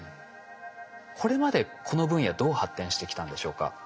これまでこの分野どう発展してきたんでしょうか？